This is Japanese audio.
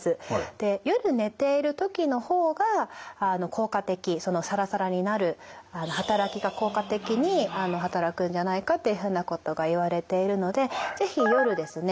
で夜寝ている時の方が効果的サラサラになる働きが効果的に働くんじゃないかっていうふうなことがいわれているので是非夜ですね